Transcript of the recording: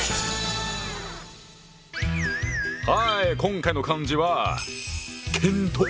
はい今回の漢字は「検討」。